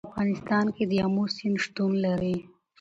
په افغانستان کې د آمو سیند شتون لري.